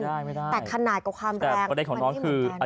แต่ขนาดกับความแรงมันไม่ได้เหมือนกัน